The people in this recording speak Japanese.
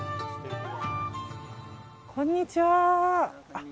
こんにちは。